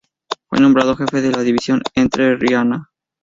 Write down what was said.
Fue nombrado jefe de la división entrerriana.